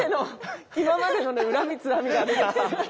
今までのね恨みつらみが。